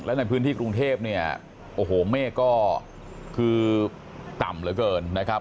และในพื้นที่กรุงเทพฯแม่ก็คือต่ำเหลือเกินนะครับ